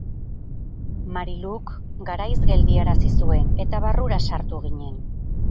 Marylouk garaiz geldiarazi zuen, eta barrura sartu ginen.